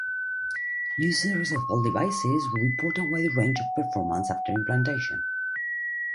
Users of all devices report a wide range of performance after implantation.